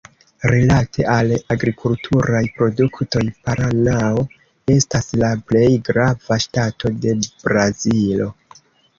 Rilate al agrikulturaj produktoj, Paranao estas la plej grava ŝtato de Brazilo.